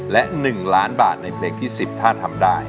และ๑ล้านบาทในเพลงที่๑๐ถ้าทำได้